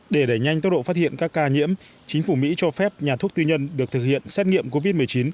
để đẩy nhanh tốc độ phát hiện các ca nhiễm chính phủ mỹ cho phép nhà thuốc tư nhân được thực hiện xét nghiệm covid một mươi chín